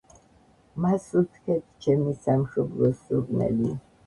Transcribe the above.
მასუნთქეთ ჩემი სამშობლოს სურნელი.